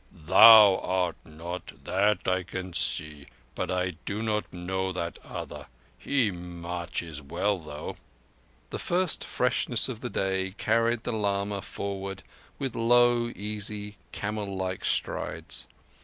"Thou art not. That I can see. But I do not know that other. He marches well, though." The first freshness of the day carried the lama forward with long, easy, camel like strides.